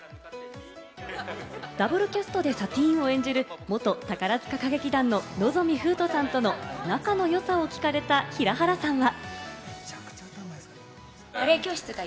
ダブルキャストでサティーンを演じる元宝塚歌劇団の望海風斗さんとの仲の良さを聞かれた平原さんは。